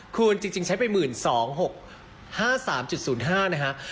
คุณจริงใช้ไป๑๒๖๕๓๐๕นะฮะ